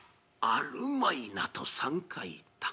あるまいな」と３回言った。